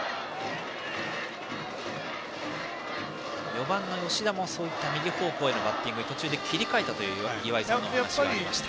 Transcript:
４番の吉田も右方向へのバッティングに途中で切り替えたという岩井さんの話でした。